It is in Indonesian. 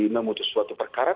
memutus suatu perjuangan